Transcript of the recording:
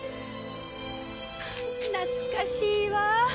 懐かしいわぁ